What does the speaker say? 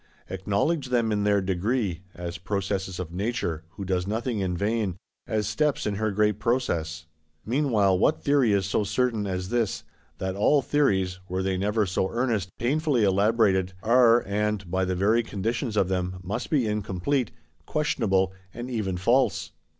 Acknowledge them in their degree; as processes of Nature, who does nothing in vain; as steps in her great process. Meanwhile, what theory is so certain as this, That all theories, were they never so earnest, painfully elaborated, are, and, by the very conditions of them, must be incomplete, questionable, and even false?